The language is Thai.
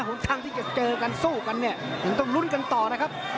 หนทางที่จะเจอกันสู้กันเนี่ยยังต้องลุ้นกันต่อนะครับ